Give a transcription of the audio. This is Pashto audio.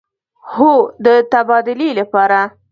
هو، د تبادلې لپاره